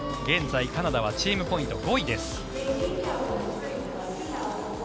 現在カナダはチームポイント５位です。